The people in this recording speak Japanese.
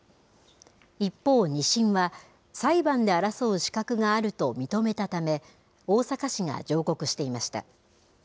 一方２審は、裁判で争う資格があると認めたため、大阪市が上告していました。